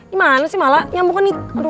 gimana sih malah nyambungan ini